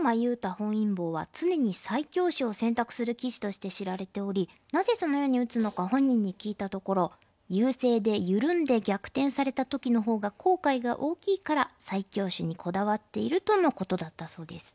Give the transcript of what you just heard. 本因坊は常に最強手を選択する棋士として知られておりなぜそのように打つのか本人に聞いたところ優勢で緩んで逆転された時のほうが後悔が大きいから最強手にこだわっているとのことだったそうです。